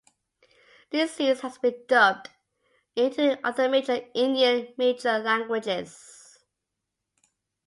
This series has been dubbed into other major Indian major languages.